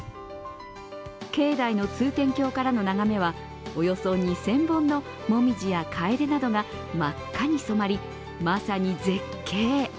境内の通天橋からの眺めはおよそ２０００本の紅葉やかえでなどが真っ赤に染まり、まさに絶景。